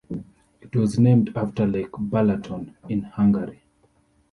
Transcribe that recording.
It was named after Lake Balaton, in Hungary.